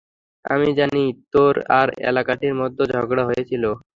আমি জানি তোর আর এলটির মধ্যে ঝগড়া হয়েছিল।